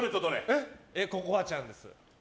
ココアちゃんです。